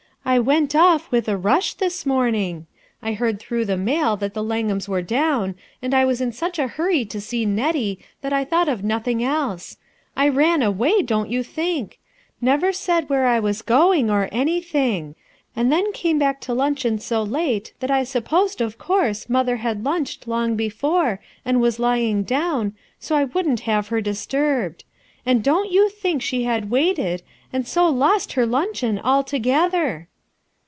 I went off with a rush, this morning. I heard through the mail that the Langhams were down, and I was in such a hurry to see Nettie that I thought of nothing else. I ran away, don't you think 1 Never said where I was going, or any thing; and then came back to luncheon so late that I supposed of course mother had lunched long before, and was lying down, so I wouldn't have her disturbed. And don't you think she had waited, and so lost her luncheon altogether."